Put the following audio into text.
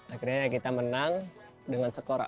akhirnya kita menang dengan skor